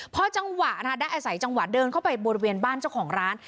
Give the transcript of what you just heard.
พอจังหวะได้อาศัยจังหวะเดินเข้าไปบริเวณบ้านเจ้าของร้าน